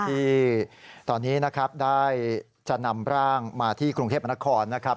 ที่ตอนนี้นะครับได้จะนำร่างมาที่กรุงเทพมนครนะครับ